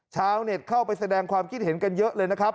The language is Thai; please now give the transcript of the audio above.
ชาวเน็ตเข้าไปแสดงความคิดเห็นกันเยอะเลยนะครับ